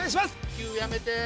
９やめて！